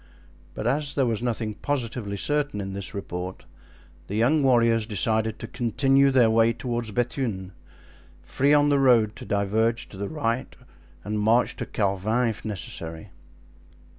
But as there was nothing positively certain in this report, the young warriors decided to continue their way toward Bethune, free on the road to diverge to the right and march to Carvin if necessary.